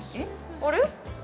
あれ？